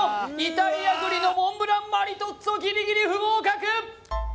イタリア栗のモンブランマリトッツォギリギリ不合格